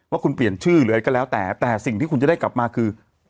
ว่าคุณเปลี่ยนชื่อหรืออะไรก็แล้วแต่แต่สิ่งที่คุณจะได้กลับมาคือ